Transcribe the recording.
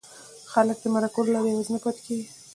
خلک دې د مرکو له لارې یوازې نه پاتې کېږي.